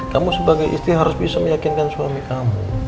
kamu sebagai istri harus bisa meyakinkan suami kamu